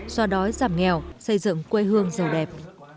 do đó giảm nghèo xây dựng quê hương giàu đẹp